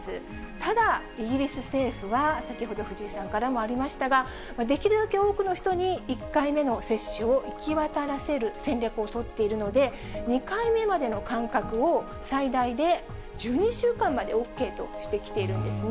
ただ、イギリス政府は、先ほど、藤井さんからもありましたが、できるだけ多くの人に１回目の接種を行き渡らせる戦略を取っているので、２回目までの間隔を最大で１２週間までＯＫとしてきているんですね。